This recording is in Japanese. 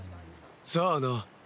さあな。